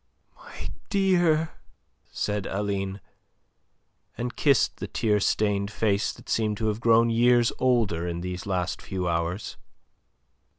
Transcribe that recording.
"My dear," said Aline, and kissed the tear stained face that seemed to have grown years older in these last few hours.